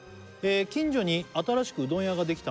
「近所に新しくうどん屋ができたので」